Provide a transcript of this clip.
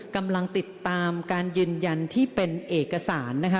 กำลังติดตามการยืนยันที่เป็นเอกสารนะคะ